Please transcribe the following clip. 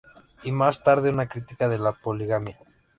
Y más tarde una crítica de la poligamia.